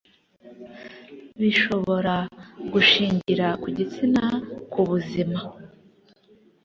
bishobora gushingira ku gitsina ku buzima